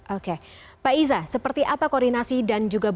oke pak iza seperti apa koordinasi dan juga bantuan